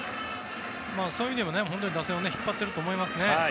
そういう意味でも、打線を引っ張っていると思いますね。